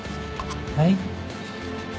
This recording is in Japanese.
はい。